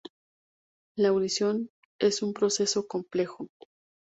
La audición es un proceso complejo.